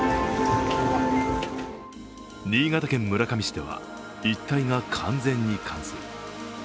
新潟県村上市では一帯が完全に冠水。